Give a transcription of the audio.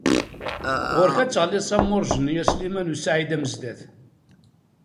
Ɣur-k ad teɣliḍ s amruj-nni a Sliman u Saɛid Amezdat.